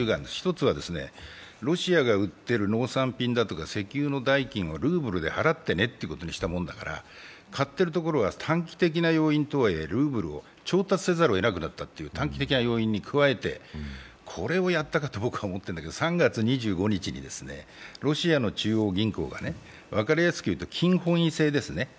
１つは、ロシアが売っている農産品とか石油なんかをルーブルで払ってねということにしたものだから、買ってるところが短期的な要因とはいえルーブルを調達せざるを得なくなったという短期的な要因に加えてこれをやったかと僕は思ってるんだけど、３月２５日にロシアの中央銀行が、分かりやすく言うと金本位制ですね。